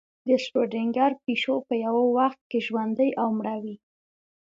د شروډنګر پیشو په یو وخت کې ژوندۍ او مړه وي.